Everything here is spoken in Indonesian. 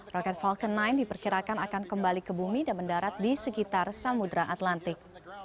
roket falcon sembilan diperkirakan akan kembali ke bumi dan mendarat di sekitar samudera atlantik